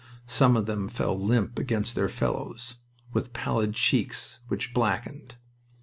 Some of them fell limp against their fellows, with pallid cheeks which blackened.